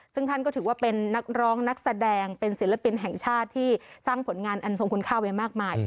ซึ่งท่านก็ถือว่าเป็นนักร้องนักแสดงเป็นศิลปินแห่งชาติที่สร้างผลงานอันทรงคุณค่าไว้มากมาย